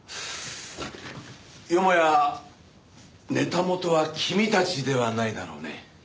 よもやネタ元は君たちではないだろうね？